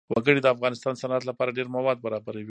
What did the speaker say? وګړي د افغانستان د صنعت لپاره ډېر مواد برابروي.